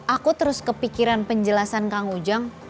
aku terus kepikiran penjelasan kang ujang